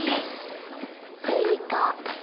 スイカ。